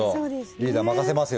リーダー任せますよ